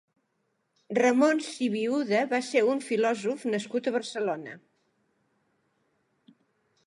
Ramon Sibiuda va ser un filòsof nascut a Barcelona.